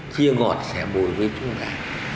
chia ngọt sẽ bùi với chúng ta